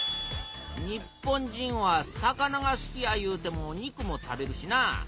日本人は魚が好きやいうても肉も食べるしなあ。